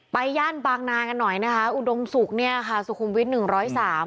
ย่านบางนากันหน่อยนะคะอุดมศุกร์เนี่ยค่ะสุขุมวิทย์หนึ่งร้อยสาม